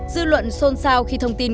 dư luận xôn xao khi thông tin